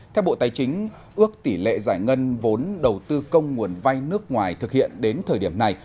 theo bộ tài chính ước tỷ lệ giải ngân vốn đầu tư công nguồn vay nước ngoài thực hiện đến thời điểm này